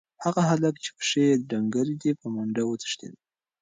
هغه هلک چې پښې یې ډنګرې دي، په منډه وتښتېد.